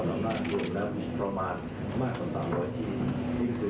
โดยการแข่งการสิทธิ์ธรรมดารวมและประมาณมากกว่า๓๐๐ที่